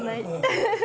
フフフ。